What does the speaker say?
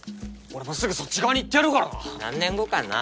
俺もすぐそっち側に行ってやるからな何年後かな？